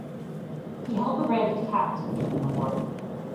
He held the rank of Captain during the war.